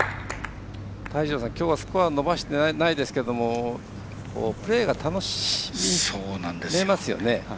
泰二郎さん、きょうはスコア伸ばしてないですけどプレーが楽しそうに見えますよね。